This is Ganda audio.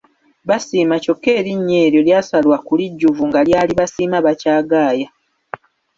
Basiima kyokka erinnya eryo lyasalwa ku lijjuvu nga lyali Basiimabakyagaaya.